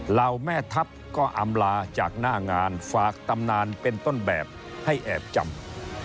เหล่าแม่ทัพก็อำลาจากหน้างานฝากตำนานเป็นต้นแบบให้แอบจำ